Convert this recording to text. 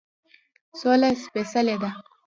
سوله سپیڅلې ده